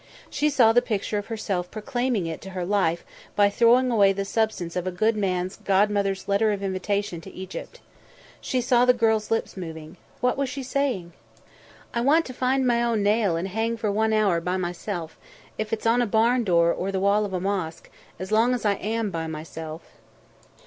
She saw the picture of herself proclaiming it to her life by throwing away the substance of a good man's godmother's letter of invitation to Egypt. She saw the girl's lips moving. What was she saying? "I want to find my own nail and hang for one hour by myself, if it's on a barn door or the wall of a mosque as long as I am by myself."